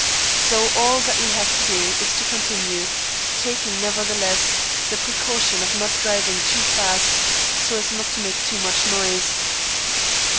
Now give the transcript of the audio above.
So all that we have to do is to continue, taking, nevertheless, the precaution of not driving too fast, so as not to make too much noise.